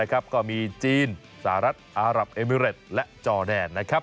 ก็มีจีนสหรัฐอัรับเอมิเมล็ดและจอแดน